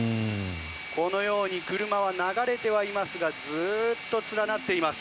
このように車は流れてはいますがずっと連なっています。